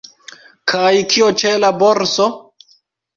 Kaj kio ĉe la borso?